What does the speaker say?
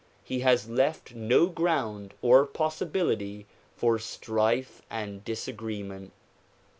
He has left no ground or possibility for strife and disagreement.